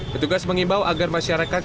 petugas mengimbau agar masyarakat